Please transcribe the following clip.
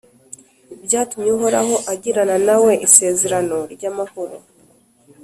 Byatumye Uhoraho agirana na we isezerano ry’amahoro,